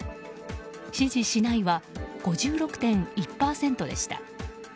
支持しないは、５６．１％でした。